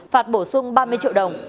phạt bổ sung ba mươi triệu đồng